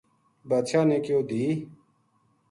بادشاہ نے کہیو دھی